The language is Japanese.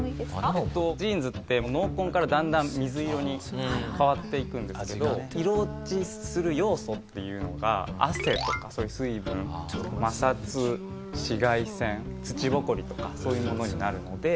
元々ジーンズって濃紺からだんだん水色に変わっていくんですけど色落ちする要素っていうのが汗とかそういう水分摩擦紫外線土ぼこりとかそういうものになるので。